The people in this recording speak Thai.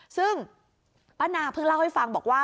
ซึ่งป้านาเพิ่งเล่าให้ฟังบอกว่า